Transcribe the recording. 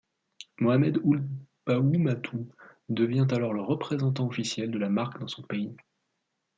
Mohamed Ould Bouamatou devient alors le représentant officiel de la marque dans son pays.